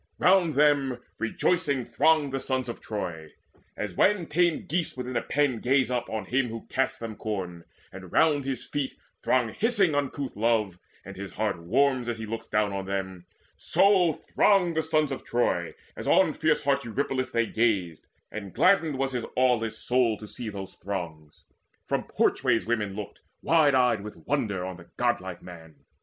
Round them rejoicing thronged the sons of Troy: As when tame geese within a pen gaze up On him who casts them corn, and round his feet Throng hissing uncouth love, and his heart warms As he looks down on them; so thronged the sons Of Troy, as on fierce heart Eurypylus They gazed; and gladdened was his aweless soul To see those throngs: from porchways women looked Wide eyed with wonder on the godlike man.